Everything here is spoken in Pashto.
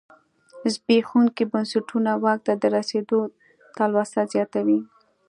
زبېښونکي بنسټونه واک ته د رسېدو تلوسه زیاتوي.